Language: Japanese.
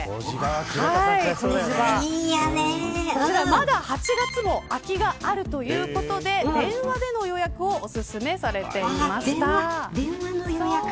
まだ８月も空きがあるということで電話での予約をおすすめされています。